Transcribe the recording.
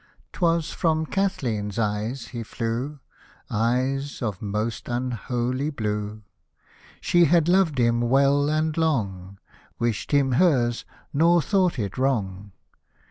'Twas from Kathleen's eyes he flew, — Eyes of most unholy blue ! She had loved him well and long, Wished him hers, nor thought it wrong.